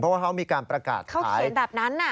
เพราะว่าเขามีการประกาศเขาเขียนแบบนั้นน่ะ